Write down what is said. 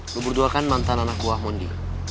lu berdua kan mantan anak buah mondi